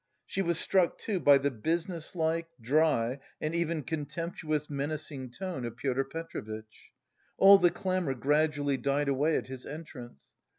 She was struck too by the businesslike, dry and even contemptuous menacing tone of Pyotr Petrovitch. All the clamour gradually died away at his entrance.